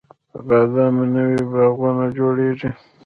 د بادامو نوي باغونه جوړیږي